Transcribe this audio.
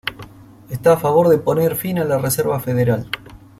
Está a favor de poner fin a la Reserva Federal.